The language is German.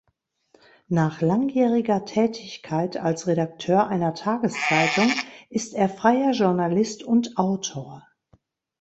Nach langjähriger Tätigkeit als Redakteur einer Tageszeitung ist er freier Journalist und Autor.